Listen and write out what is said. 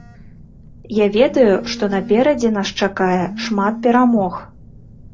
Я ведаю, што наперадзе нас чакае шмат перамог.